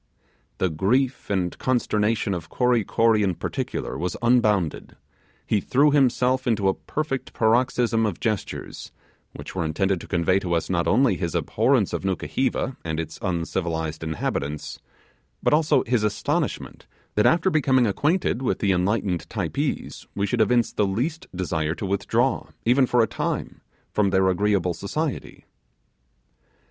The grief and consternation of Kory Kory, in particular, was unbounded; he threw himself into a perfect paroxysm of gestures which were intended to convey to us not only his abhorrence of Nukuheva and its uncivilized inhabitants, but also his astonishment that after becoming acquainted with the enlightened Typees, we should evince the least desire to withdraw, even for a time, from their agreeable society.